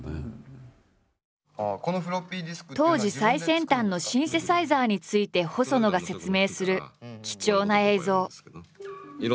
当時最先端のシンセサイザーについて細野が説明する貴重な映像。